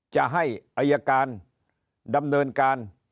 จะให้อายการดำเนินการ